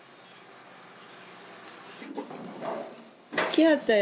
来はったよ。